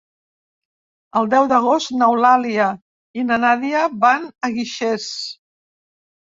El deu d'agost n'Eulàlia i na Nàdia van a Guixers.